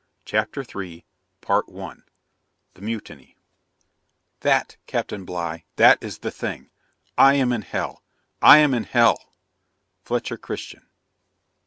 CHAPTER III THE MUTINY That, Captain Bligh, that is the thing; I am in hell! I am in hell! FLETCHER CHRISTIAN.